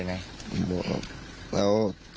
อัศวินธรรมชาติ